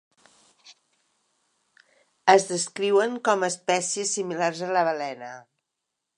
Es descriuen com espècies similars a la balena.